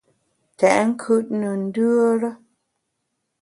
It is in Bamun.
Tèt nkùt ne ndùere.